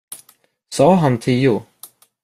Sa han tio?